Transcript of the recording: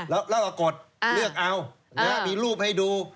แล้วก็กดเลือกเอามีรูปให้ดู